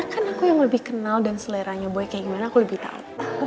kan aku yang lebih kenal dan seleranya baik kayak gimana aku lebih tahu